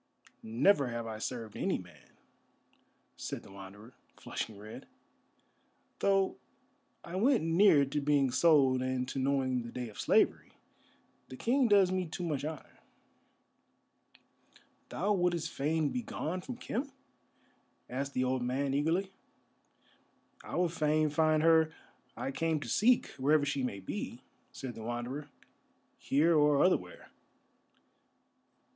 "Never have I served any man," said the Wanderer, flushing red, "though I went near to being sold and to knowing the day of slavery. The King does me too much honour." "Thou wouldest fain begone from Khem?" asked the old man, eagerly. "I would fain find her I came to seek, wherever she may be," said the Wanderer. "Here or otherwhere."